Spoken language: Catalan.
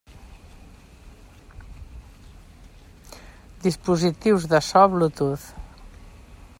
Dispositius de so Bluetooth.